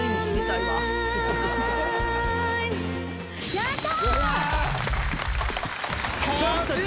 やった！